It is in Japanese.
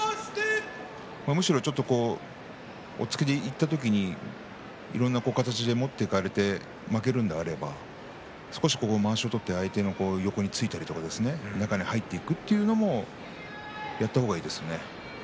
むしろ押っつけていった時にいろんな形で持っていかれて負けるのであれば少し、まわしを取って相手の横についたり中に入っていくというのもやった方がいいですね。